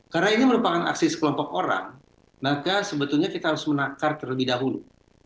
karena ini merupakan aksi sekelompok orang maka sebetulnya kita harus menakar terlebih dahulu